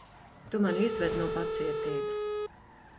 Tu mani izved no pacietības.